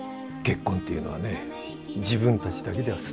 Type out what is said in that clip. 結婚っていうのはね自分たちだけでは済まないから。